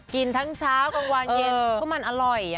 กินทั้งเช้ากลางวันเย็นก็มันอร่อย